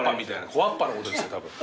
小わっぱのことですよたぶん。